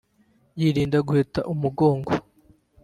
yirinda guheta umugongo